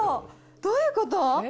どういうこと？